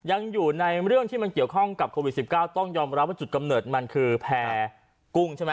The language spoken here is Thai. ยังอยู่ในเรื่องที่มันเกี่ยวข้องกับโควิด๑๙ต้องยอมรับว่าจุดกำเนิดมันคือแพร่กุ้งใช่ไหม